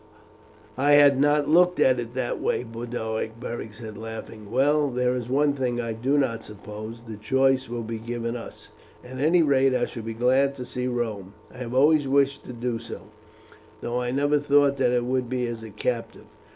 "I had not looked at it in that way, Boduoc," Beric said, laughing. "Well, there is one thing, I do not suppose the choice will be given us. At any rate I shall be glad to see Rome. I have always wished to do so, though I never thought that it would be as a captive.